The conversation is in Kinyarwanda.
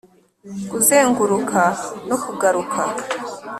kuzenguruka no kugaruka